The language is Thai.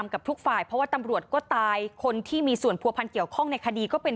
กับทุกฝ่ายเพราะว่าตำรวจก็ตายคนที่มีส่วนผัวพันธ์เกี่ยวข้องในคดีก็เป็น